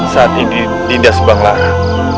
saat ini dinda subanglaran